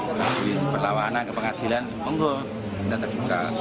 ini terlalu berlawanan ke pengadilan monggo kita terbuka